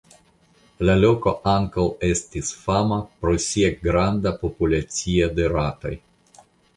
La loko ankaŭ estis fama pro sia granda populacio de ratoj.